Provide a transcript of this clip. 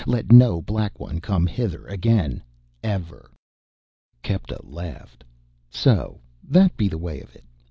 Let no Black One come hither again, ever...." Kepta laughed. "So, that be the way of it!